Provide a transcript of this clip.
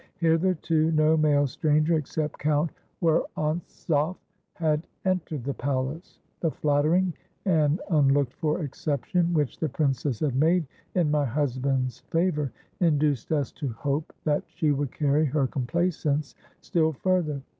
Hitherto no male stranger except Count Worontzov, had entered the palace; the flattering and unlooked for exception which the princess had made in my husband's favour, induced us to hope that she would carry her complaisance still further.